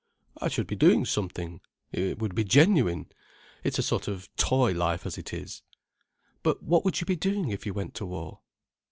"I should be doing something, it would be genuine. It's a sort of toy life as it is." "But what would you be doing if you went to war?"